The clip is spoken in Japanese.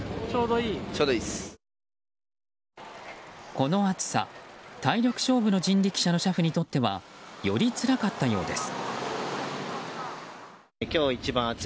この暑さ、体力勝負の人力車の車夫にとってはより、つらかったようです。